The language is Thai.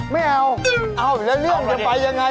ไม่เอาเอาแล้วเรื่องจะไปยังไง